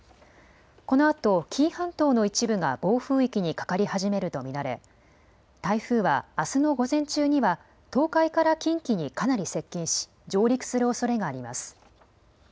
このあと紀伊半島の一部が暴風域にかかり始めると見られ、台風はあすの午前中には、東海から近畿にかなり接近し、上陸するおそれがあります。